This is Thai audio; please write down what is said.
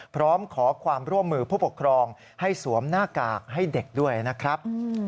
พร้อมขอความร่วมมือผู้ปกครองให้สวมหน้ากากให้เด็กด้วยนะครับ